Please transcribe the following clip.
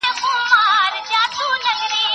زه له سهاره د سبا لپاره د نوي لغتونو يادوم!!